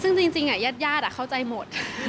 ซึ่งจริงญาติเข้าใจหมด